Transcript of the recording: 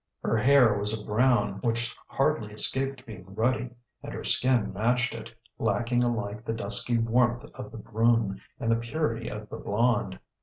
Her hair was a brown which hardly escaped being ruddy, and her skin matched it, lacking alike the dusky warmth of the brune and the purity of the blonde.